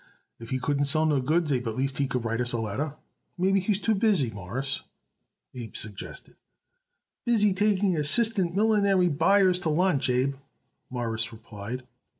"If he couldn't sell no goods, Abe, at least he could write us a letter." "Maybe he's too busy, Mawruss," Abe suggested. "Busy taking assistant millinery buyers to lunch, Abe," Morris replied.